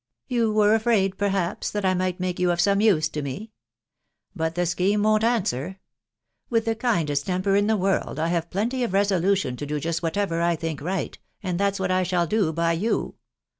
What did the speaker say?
You were afraid, perhaps, mat I might make you of some use to me. But the scheme woVt answer. With the kindest temper in the world, I have plenty of resolution to do just whatever I think right, and thai* what I shall do by you.